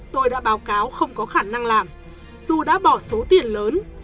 tôi đã báo cáo không có khả năng làm dù đã bỏ số tiền lớn